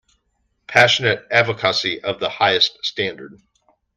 Passionate advocacy of the highest standard.